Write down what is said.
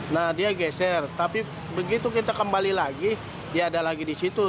nah dia geser tapi begitu kita kembali lagi dia ada lagi di situ